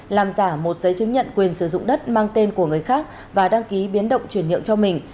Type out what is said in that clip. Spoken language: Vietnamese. làm giả một giấy chứng nhận quyền sử dụng đất mang tên của người khác và đăng ký biến động chuyển nhượng cho mình